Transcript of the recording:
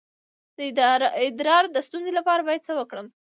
د ادرار د ستونزې لپاره باید څه وکړم؟